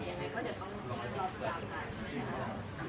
ก็ชวนกันทุกครั้งที่มาเจอกันก็พยายามให้ผสมกันค่ะ